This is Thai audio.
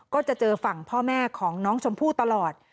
ก็จะเจอฝั่งพ่อแม่ของน้องชมพู่ตลอด